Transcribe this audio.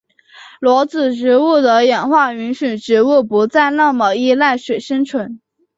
裸子植物的演化允许植物不再那么依赖水生存。